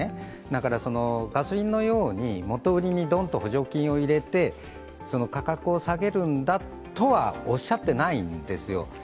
だから、ガソリンのように元売りにドンと補助金を入れて、価格を下げるんだとはおっしゃってないんですよ。